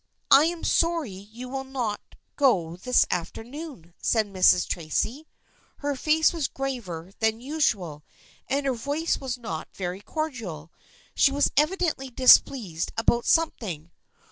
" I am sorry you will not go this afternoon," said Mrs. Tracy. Her face was graver than usual, and her voice was not very cordial. She was evi dently displeased about something.